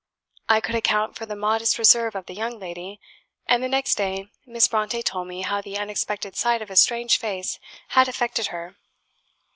I could account for the modest reserve of the young lady; and the next day Miss Brontë told me how the unexpected sight of a strange face had affected her.